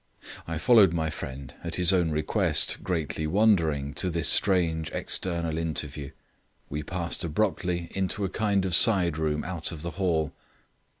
I followed my friend, at his own request, greatly wondering, to this strange external interview. We passed abruptly into a kind of side room out of the hall.